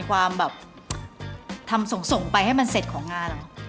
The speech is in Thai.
ความแบบทำส่งไปให้มันเสร็จของงานเหรอ